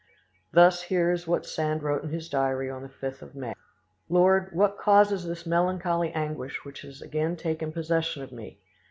Thus, here is what Sand wrote in his diary on the 5th of May. "Lord, what causes this melancholy anguish which has again taken possession of me?